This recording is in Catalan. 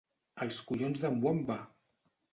Els collons d'en Wamba!